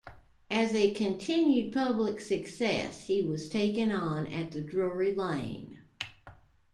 As a continued public success, he was taken on at the Drury Lane.